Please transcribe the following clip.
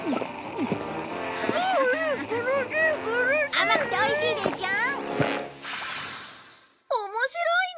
甘くておいしいでしょ？面白いね！